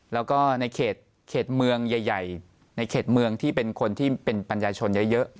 แล้วก็ในเขตเมืองใหญ่ในเขตเมืองที่เป็นคนที่เป็นปัญญาชนเยอะ